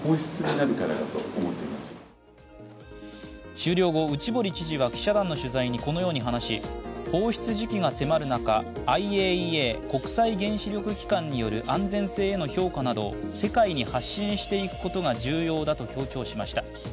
終了後、内堀知事は記者団の取材にこのように話し、このように話し、放出時期が迫る中、ＩＡＥＡ＝国際原子力機関による安全性への評価などを世界に発信していくことが重要だと強調しました。